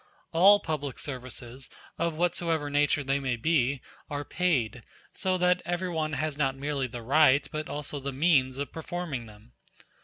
All public services, of whatsoever nature they may be, are paid; so that every one has not merely the right, but also the means of performing them.